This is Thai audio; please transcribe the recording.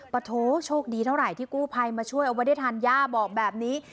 ปะโทโชคดีเท่าไรที่กู้ภัยมาช่วยเอาวัฒนธรรมย่าบอกแบบนี้